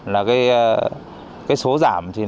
là cái số giảm